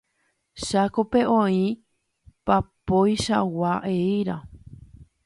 Chákope oĩ papoichagua eíra.